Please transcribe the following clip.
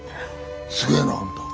すげえなあんた。